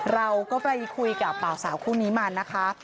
เราก็ไปคุยกับบ่าวสาวคู่นี้มานะคะ